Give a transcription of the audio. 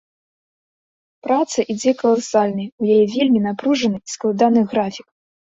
Праца ідзе каласальная, у яе вельмі напружаны і складаны графік.